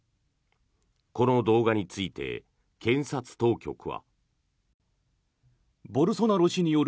この動画について検察当局は。